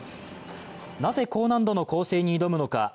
なぜ高難度の構成に挑むのか。